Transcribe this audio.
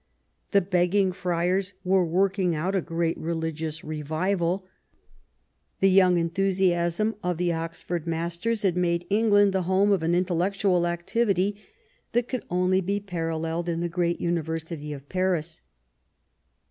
The begging friars were working out a great religious revival. The young enthusiasm of the Oxford masters had made England the home of an intellectual activity that could only be paralleled in the great University of Paris.